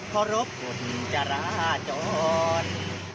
ขอรบเป็นจราจร